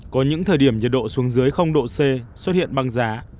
có những thời điểm nhiệt độ xuống dưới độ c xuất hiện băng giá